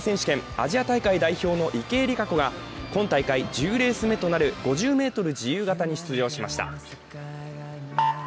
アジア大会代表の池江璃花子が今大会１０レース目となる５０ｍ自由形に出場しました。